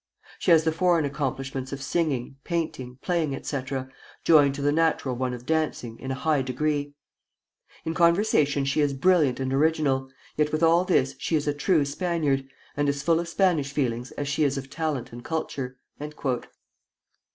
She has the foreign accomplishments of singing, painting, playing, etc., joined to the natural one of dancing, in a high degree. In conversation she is brilliant and original, yet with all this she is a true Spaniard, and as full of Spanish feelings as she is of talent and culture."